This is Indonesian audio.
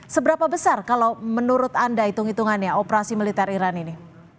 seberapa besar kalau menurut anda hitung hitungannya operasi militer iran ini